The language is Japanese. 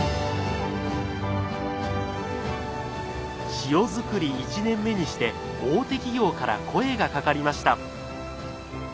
塩づくり１年目にして大手企業から声がかかりました。